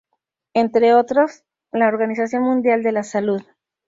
Entre otros la Organización Mundial de la Salud.